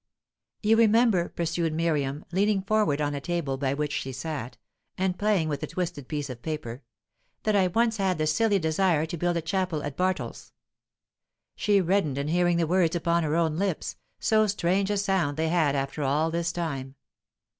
"You remember," pursued Miriam, leaning forward on a table by which she sat, and playing with a twisted piece of paper, "that I once had the silly desire to build a chapel at Bartles." She reddened in hearing the words upon her own lips so strange a sound they had after all this time.